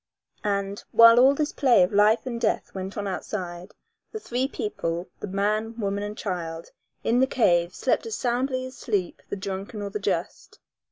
And, while all this play of life and death went on outside, the three people, the man, woman and child, in the cave slept as soundly as sleep the drunken or the just.